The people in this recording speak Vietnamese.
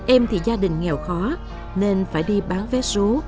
em thì gia đình nghèo khó nên phải đi bán vé số